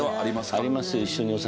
ありますよ。